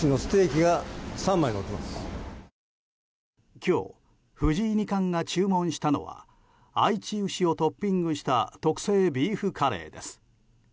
今日、藤井二冠が注文したのはあいち牛をトッピングした特製ビーフカレーです。